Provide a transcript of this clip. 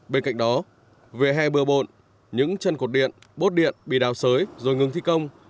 bên cạnh đó về hè bưa bộn những chân cột điện bốt điện bị đào sới rồi ngừng thi công